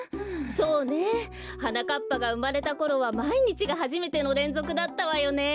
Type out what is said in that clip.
そうねはなかっぱがうまれたころはまいにちがはじめてのれんぞくだったわよね。